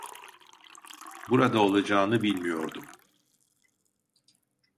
Burada olacağını bilmiyordum.